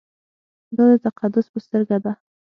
دا د تقدس په سترګه ده.